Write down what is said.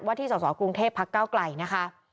ว่าที่สอสอกรุงเทพฯภักดิ์ก้าวกล่ายนะคะ